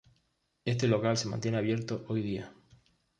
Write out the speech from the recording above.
Este local se mantiene abierto hoy día.